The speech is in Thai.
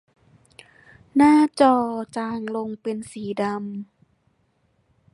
หน้าจอจางลงเป็นสีดำ